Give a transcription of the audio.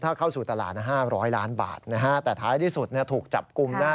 ถ้าเข้าสู่ตลาดนะฮะ๑๐๐ล้านบาทนะฮะแต่ท้ายที่สุดเนี่ยถูกจับกลุ่มนะฮะ